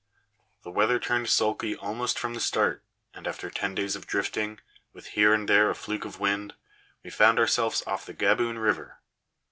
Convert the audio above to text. The weather turned sulky almost from the start, and after ten days of drifting, with here and there a fluke of wind, we found ourselves off the Gaboon river.